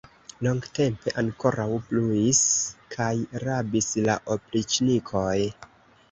Longtempe ankoraŭ bruis kaj rabis la opriĉnikoj.